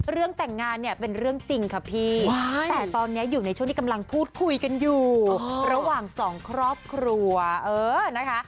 เรื่องแต่งงานเนี่ยเป็นเรื่องจริงค่ะพี่แต่ตอนนี้อยู่ในช่วงที่กำลังพูดคุยกันอยู่ระหว่างสองครอบครัวเออนะคะ